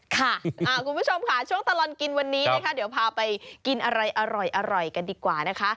คุณผู้ชมค่ะช่วงตลอดกินวันนี้นะคะเดี๋ยวพาไปกินอะไรอร่อยกันดีกว่านะคะ